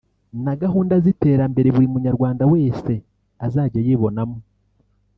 na gahunda z’iterambere buri munyarwanda wese azajya yibonamo